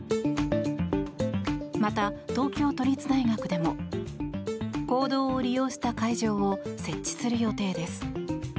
また、東京都立大学でも講堂を利用した会場を設置する予定です。